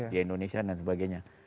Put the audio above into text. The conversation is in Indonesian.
di indonesia dan sebagainya